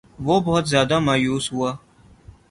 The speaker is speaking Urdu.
وہ بہت زیادہ مایوس ہوا